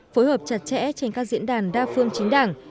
phối hợp chặt chẽ trên các diễn đàn đa phương chính đảng